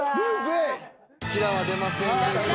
キラは出ませんでした。